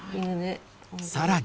［さらに］